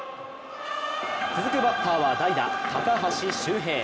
続くバッターは代打・高橋周平。